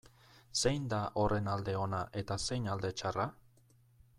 Zein da horren alde ona eta zein alde txarra?